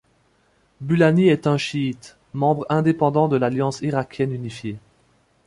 Bulani est un chiite, membre indépendant de l'Alliance irakienne unifiée.